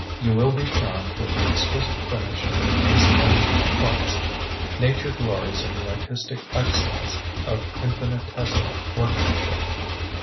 You will be charmed with the exquisite finish of their most minute parts. Nature glories in the artistic excellence of infinitesimal workmanship.